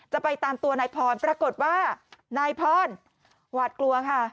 จะไปตามตัวนายพรปรากฏว่านายพรหวาดกลัวค่ะ